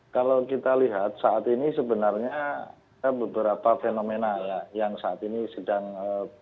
kalau kita lihat saat ini sebenarnya beberapa fenomena yang saat ini sedang aktif